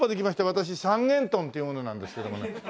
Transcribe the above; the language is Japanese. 私三元豚という者なんですけどもね。